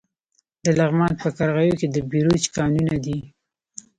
د لغمان په قرغیو کې د بیروج کانونه دي.